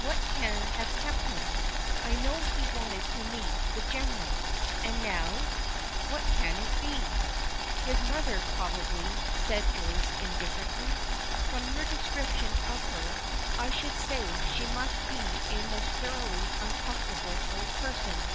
"What can have kept him? I know he wanted to meet the General, and now What can it be?" "His mother, probably," says Joyce, indifferently. "From your description of her, I should say she must be a most thoroughly uncomfortable old person."